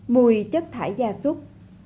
mùi chất thải gia súc